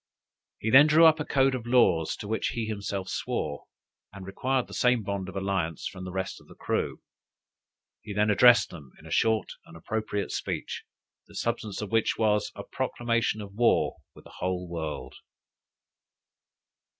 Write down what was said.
He then drew up a code of laws, to which he himself swore, and required the same bond of alliance from all the rest of the crew. He then addressed them in a short and appropriate speech, the substance of which was, a proclamation of war with the whole world.